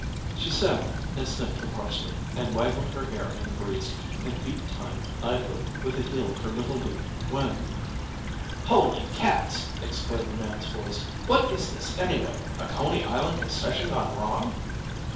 She sang, and sniffed her parsley, and waggled her hair in the breeze, and beat time, idly, with the heel of her little boot, when "Holy Cats!" exclaimed a man's voice. "What is this, anyway? A Coney Island concession gone wrong?"